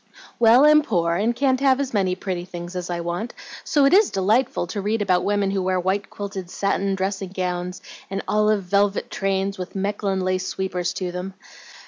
"Well, I'm poor and can't have as many pretty things as I want, so it IS delightful to read about women who wear white quilted satin dressing gowns and olive velvet trains with Mechlin lace sweepers to them.